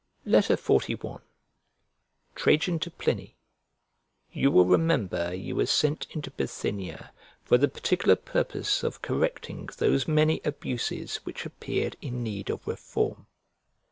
XLI TRAJAN TO PLINY You will remember you were sent into Bithynia for the particular purpose of correcting those many abuses which appeared in need of reform.